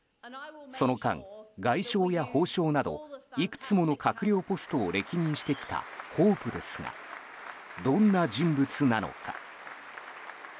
その間、外相や法相などいくつもの閣僚ポストを歴任してきたホープですがどんな人物なのか。